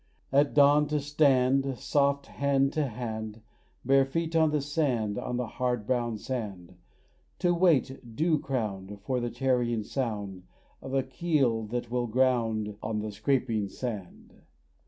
At dawn to stand Soft hand to hand, Bare feet on the sand, On the hard brown sand, To wait, dew crowned, For the tarrying sound Of a keel that will ground On the scraping sand.